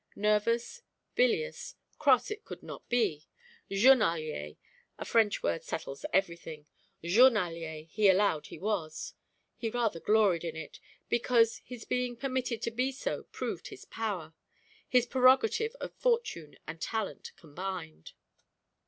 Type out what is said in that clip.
Nervous, bilious cross it could not be; journalier (a French word settles everything) journalier he allowed he was; he rather gloried in it, because his being permitted to be so proved his power, his prerogative of fortune and talent combined.